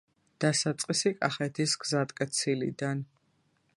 დასაწყისი კახეთის გზატკეცილიდან.